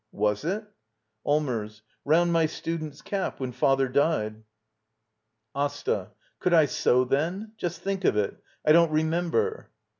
Was it? Allmers. Round my student's cap — when father died. AsTA. Could I sew then? Just think of it — I don't remember.